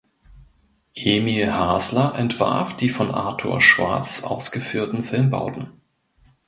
Emil Hasler entwarf die von Artur Schwarz ausgeführten Filmbauten.